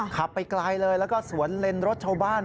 ขับไปไกลเลยแล้วก็สวนเลนรถชาวบ้าน